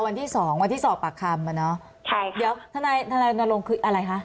วันที่สองวันที่สองปากคำน่ะเนาะเดี๋ยวทะเลาหลงคืออะไรคะ